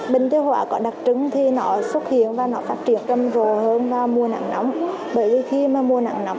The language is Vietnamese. bệnh tiêu hóa có đặc trưng thì nó xuất hiện và nó phát triển râm rồ hơn vào mùa nắng nóng